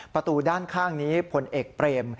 ประตูด้านข้างนี้ผลเอกเปรม